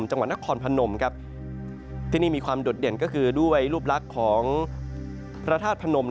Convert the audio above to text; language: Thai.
จังหวัดนครพนมครับที่นี่มีความโดดเด่นก็คือด้วยรูปลักษณ์ของพระธาตุพนม